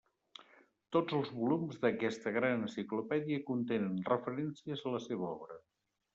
Tots els volums d'aquesta gran enciclopèdia contenen referències a la seva obra.